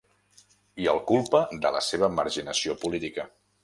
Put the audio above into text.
I el culpa de la seva marginació política.